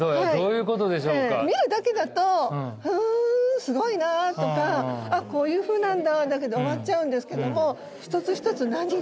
見るだけだと「ふんすごいな」とか「あっこういうふうなんだ」だけで終わっちゃうんですけども一つ一つ「何がある」とか